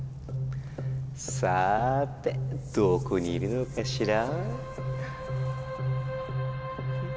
さてどこにいるのかしら？